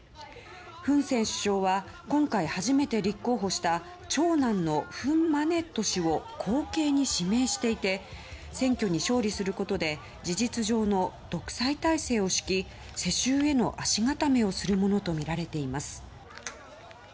フン・セン首相は今回初めて立候補した長男のフン・マネット氏を後継に指名していて選挙に勝利することで事実上の独裁体制を敷き世襲への足固めをするものとみられています。